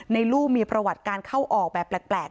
ลูกมีประวัติการเข้าออกแบบแปลก